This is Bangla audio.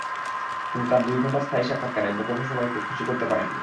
কিন্তু তাঁর দুই ঘণ্টা স্থায়ী সাক্ষাৎকারে বোকোভা সবাইকে খুশি করতে পারেননি।